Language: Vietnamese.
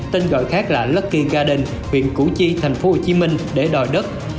tên gọi khác là lucky garden huyện củ chi thành phố hồ chí minh để đòi đất